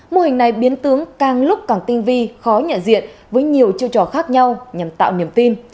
mô hình này biến tướng càng lúc càng tinh vi khó nhận diện với nhiều chiêu trò khác nhau nhằm tạo niềm tin